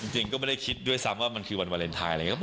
จริงก็ไม่ได้คิดด้วยซ้ำว่ามันคือวันวาเลนไทยอะไรอย่างนี้